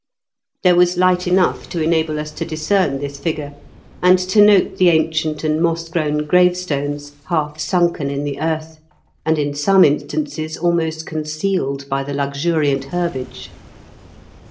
There was light enough to enable us to discern this figure, and to note the ancient and moss grown gravestones, half sunken in the earth, and in some instances almost con cealed by the luxuriant herbage.